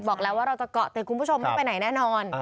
บอกแล้วว่าเราจะเกาะติดคุณผู้ชมไม่ไปไหนแน่นอน